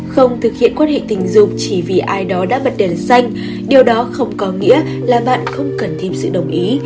không thực hiện quan hệ tình dục chỉ vì ai đó đã bật đèn xanh điều đó không có nghĩa là bạn không cần thêm sự đồng ý